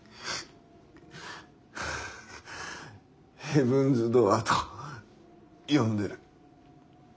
ハァー「ヘブンズ・ドアー」と呼んでる。